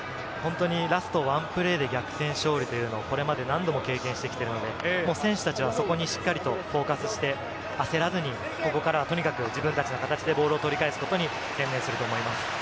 ラストワンプレーで逆転勝利というのをこれまで何度も経験してきているので、選手たちはそこにしっかりとフォーカスして焦らずにここからとにかく自分たちの形でボールを取り返すことに専念すると思います。